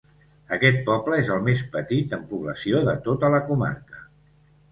Aquest poble és el més petit en població de tota la comarca.